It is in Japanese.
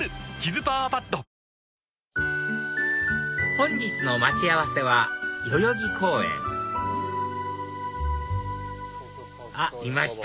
本日の待ち合わせは代々木公園あっいました